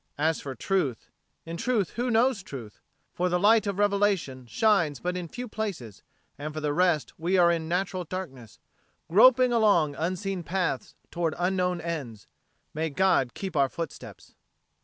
As for truth in truth who knows truth? For the light of Revelation shines but in few places, and for the rest we are in natural darkness, groping along unseen paths towards unknown ends. May God keep our footsteps!